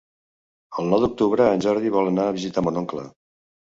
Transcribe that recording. El nou d'octubre en Jordi vol anar a visitar mon oncle.